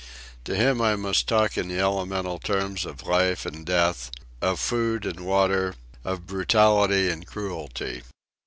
To him I must talk in the elemental terms of life and death, of food and water, of brutality and cruelty.